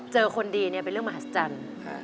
คนดีเป็นเรื่องมหัศจรรย์